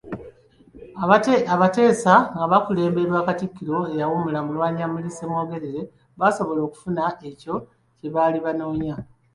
Abateesa nga baakulemberwa Katikkiro eyawummula Mulwanyammuli Ssemwogere baasobola okufuna ekyo kye baali banoonya